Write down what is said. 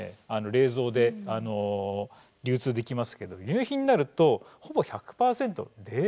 冷蔵で流通できますけど輸入品になるとほぼ１００％冷凍なんですね。